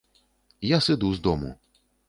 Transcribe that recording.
Я сыду з дому.